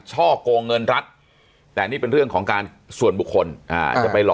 ช่อกงเงินรัฐแต่นี่เป็นเรื่องของการส่วนบุคคลจะไปหล